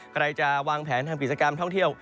ใครจะวางแผนทางพลิเศก์การท่องเที่ยว